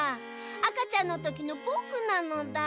あかちゃんのときのぼくなのだ。